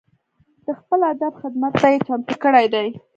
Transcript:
د خپل ادب خدمت ته یې چمتو کړي دي.